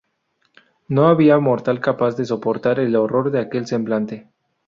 No había mortal capaz de soportar el horror de aquel semblante.